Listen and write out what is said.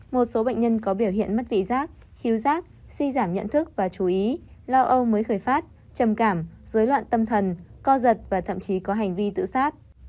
một số bệnh nhân có biểu hiện mất vị giác khiếu rác suy giảm nhận thức và chú ý lo âu mới khởi phát trầm cảm dối loạn tâm thần co giật và thậm chí có hành vi tự sát